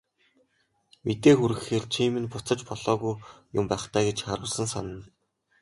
Мэдээ хүргэхээр чи минь буцаж болоогүй юм байх даа гэж харуусан санана.